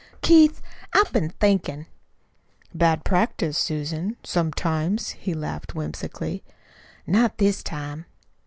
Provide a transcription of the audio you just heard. "Keith, I've been thinkin'." "Bad practice, Susan sometimes," he laughed whimsically. "Not this time."